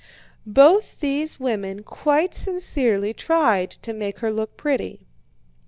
Both these women quite sincerely tried to make her look pretty.